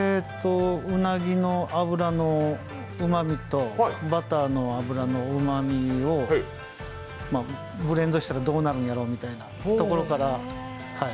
うなぎの脂のうまみとバターの脂のうまみをブレンドしたらどうなるんやろうというところから。